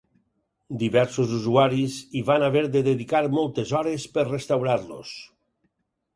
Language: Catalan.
Diversos usuaris hi van haver de dedicar moltes hores per restaurar-los.